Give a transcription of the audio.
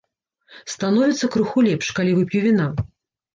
Становіцца крыху лепш, калі вып'ю віна.